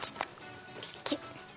キュッ。